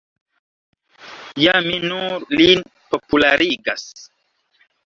Ja mi nur lin popularigas.